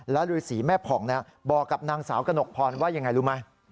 แล้วฤษีแม่ผ่องบอกกับนางสาวกระหนกพรว่ายังไงรู้ไหม